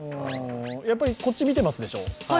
やっぱりこっち見てますでしょう